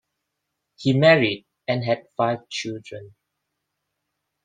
He married and had five children.